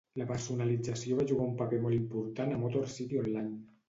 La personalització va jugar un paper molt important a Motor City Online.